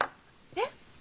えっ？